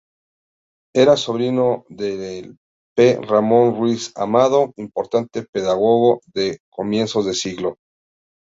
Era sobrino del P. Ramón Ruiz Amado, importante pedagogo de comienzos de siglo.